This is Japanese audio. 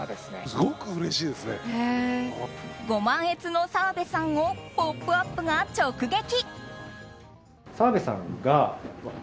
ご満悦の澤部さんを「ポップＵＰ！」が直撃。